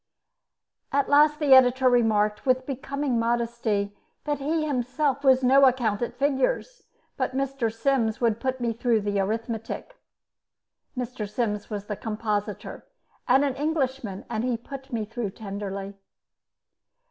At last the editor remarked, with becoming modesty, that he was himself of no account at figures, but Mr. Sims would put me through the arithmetic. Mr. Sims was the compositor, and an Englishman; he put me through tenderly.